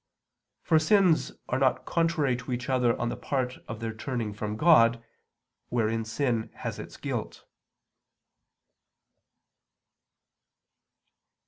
For sins are not contrary to each other on the part of their turning from God, wherein sin has its guilt.